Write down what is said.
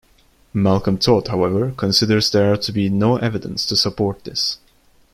Malcolm Todd however considers there to be no evidence to support this.